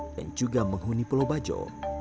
juga menghuni pulau bajo